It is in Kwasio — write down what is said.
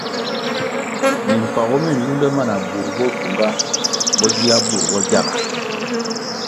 Mimpagu mi lunde ma na burʼ bo gyunga bo gia burʼ bo gyaga.